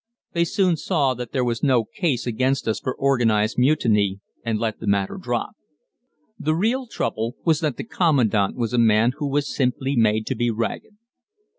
They soon saw that there was no case against us for organized mutiny and let the matter drop. The real trouble was that the Commandant was a man who was simply made to be ragged.